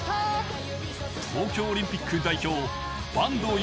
東京オリンピック代表、坂東悠